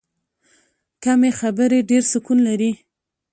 کمې خبرې، ډېر سکون لري.